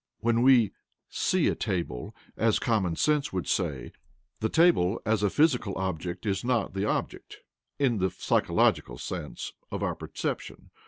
When we "see a table," as common sense would say, the table as a physical object is not the "object" (in the psychological sense) of our perception.